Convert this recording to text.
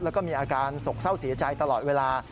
แล้วก็มีอาการสกเศร้าเสียใจตลอดเวลา